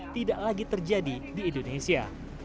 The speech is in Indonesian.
tidak lagi terjadi di indonesia